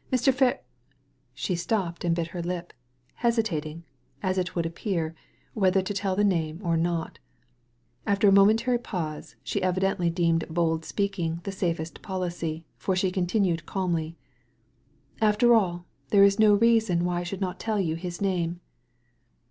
" Mr. Fer *' She stopped and bit her lip, hesita ting, as it would appear, whether to tell the name or not After a momentary pause she evidently deemed bold speaking the safest policy, for she continued calmly :" After all, there is no reason why I should not tell you his name."